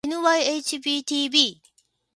ｎｙｈｂｔｂ